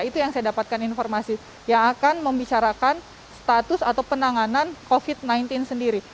itu yang saya dapatkan informasi yang akan membicarakan status atau penanganan covid sembilan belas sendiri